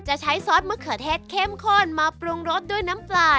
ใช้ซอสมะเขือเทศเข้มข้นมาปรุงรสด้วยน้ำปลา